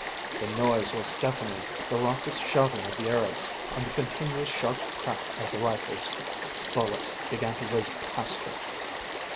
The noise was deafening, the raucous shouting of the Arabs and the continuous sharp crack of the rifles. Bullets began to whizz past her.